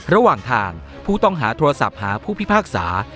ระหว่างทางผู้ต้องหาโทรศัพท์หาผู้พิพากษา